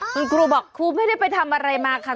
คุณครูบอกครูไม่ได้ไปทำอะไรมาค่ะ